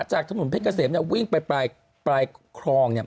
จากถนนเพชรเกษมวิ่งไปปลายคลอง